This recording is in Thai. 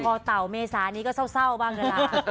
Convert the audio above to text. พอเต่าเมษานี้ก็เศร้าบ้างนะคะ